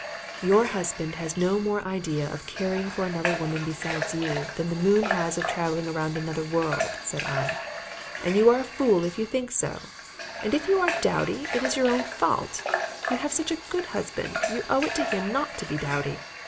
"Your husband has no more idea of caring for another woman besides you than that moon has of travelling around another world," said I; "and you are a fool if you think so; and if you are dowdy it is your own fault. If you have such a good husband you owe it to him not to be dowdy.